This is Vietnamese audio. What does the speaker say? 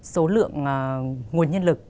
số lượng nguồn nhân lực